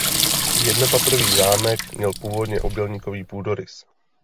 Jednopatrový zámek měl původně obdélníkový půdorys.